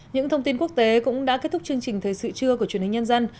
những thông tin quốc tế cũng đã kết thúc chương trình thời sự trưa của truyền hình nhân dân